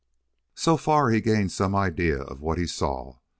So far he gained some idea of what he saw.